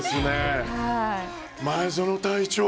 前園隊長。